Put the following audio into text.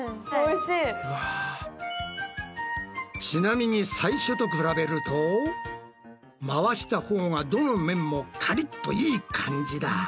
ちなみに最初と比べると回したほうはどの面もカリッといい感じだ。